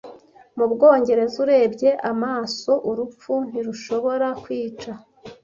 Mu Bwongereza, urebye amaso urupfu ntirushobora kwica,